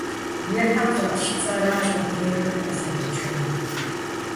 Уи хьэм фӏэпщ цӏэращ адрейхэри къызэреджэнур.